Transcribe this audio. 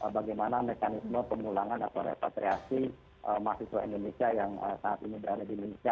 bagaimana mekanisme pemulangan atau repatriasi mahasiswa indonesia yang saat ini berada di indonesia